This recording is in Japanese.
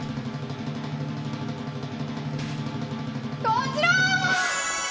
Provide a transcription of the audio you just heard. こちら！